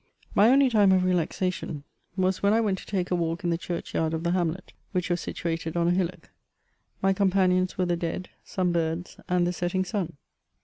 My only time of relaxation was when I went to take a walk in the church yard of the hamlet, which was situated on a hillock. My companions were the dead, some birds, and the setting sun.